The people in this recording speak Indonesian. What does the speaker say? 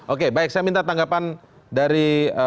oke baik saya minta tanggapan dari